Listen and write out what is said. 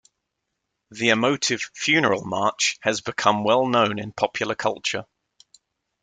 The emotive "funeral march" has become well known in popular culture.